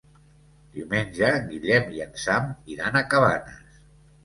Diumenge en Guillem i en Sam iran a Cabanes.